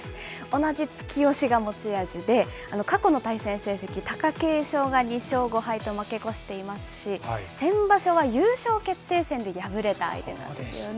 同じ突き押しが持ち味で、過去の対戦成績、貴景勝が２勝５敗と負け越していますし、先場所は優勝決定戦で敗れた相手なんですよね。